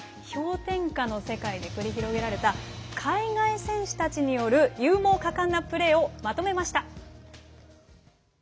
氷点下の世界で繰り広げられた海外選手たちによる勇猛果敢なプレーをまとめました。